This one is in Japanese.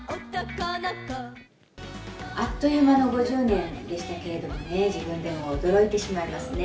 あっという間の５０年でしたけれどもね、自分でも驚いてしまいますね。